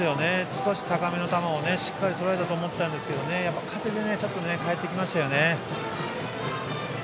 少し高めの球をしっかりとらえたと思いましたが風で返ってきましたよね。